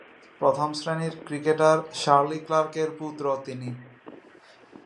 প্রথম-শ্রেণীর cricketer Shirley ক্লার্কের পুত্র তিনি।